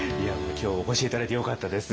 今日はお越し頂いてよかったです。